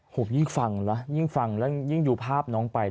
ห่วงยิ่งฟังแล้วยิ่งฟับน้องไป